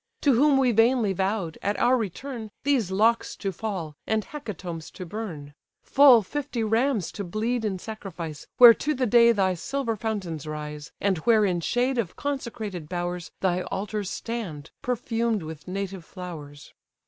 To whom we vainly vow'd, at our return, These locks to fall, and hecatombs to burn: Full fifty rams to bleed in sacrifice, Where to the day thy silver fountains rise, And where in shade of consecrated bowers Thy altars stand, perfumed with native flowers!